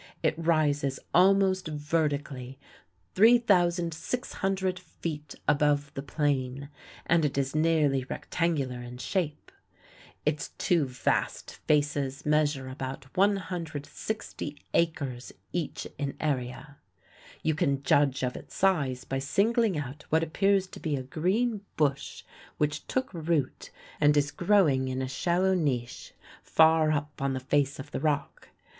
It rises almost vertically 3,600 feet above the plain, and it is nearly rectangular in shape. Its two vast faces measure about 160 acres each in area. You can judge of its size by singling out what appears to be a green bush which took root and is growing in a shallow niche far up on the face of the rock.